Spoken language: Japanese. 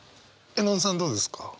絵音さんどうですか？